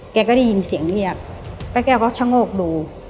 แกก็ได้ยินเสียงเรียกป้าแก้วก็ชะโงกดู